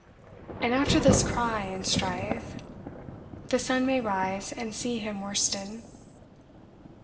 And after this cry and strife, the sun may rise and see him worsted.